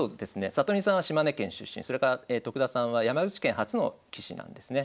里見さんは島根県出身それから徳田さんは山口県初の棋士なんですね。